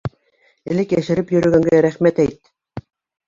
Элек йәшереп йөрөгәнгә рәхмәт әйт!